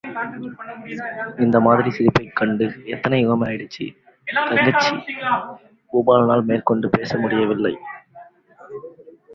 இந்த மாதிரிச் சிரிப்பைக் கண்டு எத்தனை யுகமாயிடுச்க...? தங்கச்சி! பூபாலனால் மேற்கொண்டு பேச முடியவில்லை.